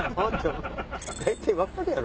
大体分かるやろ！